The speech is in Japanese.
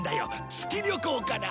月旅行から。